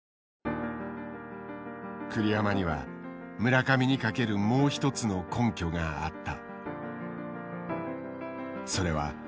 栗山には村上にかけるもう一つの根拠があった。